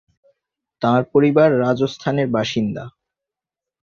তাঁর পরিবার রাজস্থানের বাসিন্দা।